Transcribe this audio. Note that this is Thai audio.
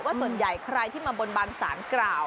ส่วนใหญ่ใครที่มาบนบานสารกล่าว